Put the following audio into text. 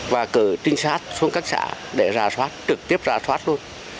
và cử trinh sát xuống các xã để ra soát trực tiếp ra thoát luôn